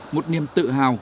một niềm tự hào